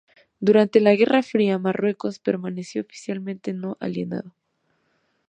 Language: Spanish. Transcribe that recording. Durante la Guerra Fría, Marruecos permaneció oficialmente no alineado.